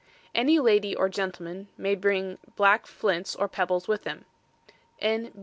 Any Lady or Gentleman may bring Black Flints or Pebbles with them. N.